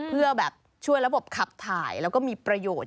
เพื่อแบบช่วยระบบขับถ่ายแล้วก็มีประโยชน์